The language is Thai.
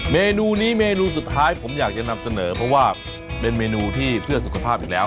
เมนูนี้เมนูสุดท้ายผมอยากจะนำเสนอเพราะว่าเป็นเมนูที่เพื่อสุขภาพอยู่แล้ว